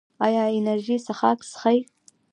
ایا انرژي څښاک څښئ؟